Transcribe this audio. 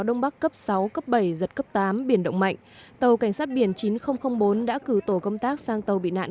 đông bắc cấp sáu cấp bảy giật cấp tám biển động mạnh tàu csb chín nghìn bốn đã cử tổ công tác sang tàu bị nạn